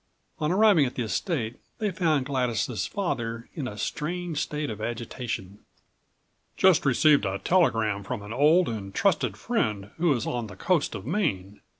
On arriving at the estate they found Gladys' father in a strange state of agitation. "Just received a telegram from an old and trusted friend who is on the coast of Maine.